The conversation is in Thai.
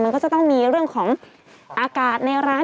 ก็ต้องมีเรื่องของอากาศในร้าน